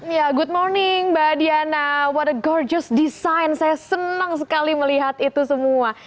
ya good morning mbak diana what a gorgest design saya senang sekali melihat itu semua